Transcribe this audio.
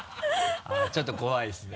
ちょっと怖いですね。